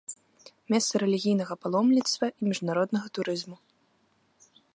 Месца рэлігійнага паломніцтва і міжнароднага турызму.